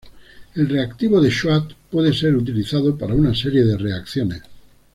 El reactivo de Schwartz puede ser utilizado para un serie de reacciones.